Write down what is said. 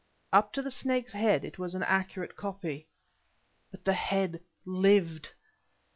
Up to the snake's head it was an accurate copy; but the head lived!